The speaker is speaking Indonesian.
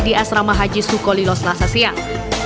di asrama haji sukolilo selasa siang